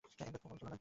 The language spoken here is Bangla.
একবারও কল তুলো নি।